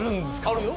あるよ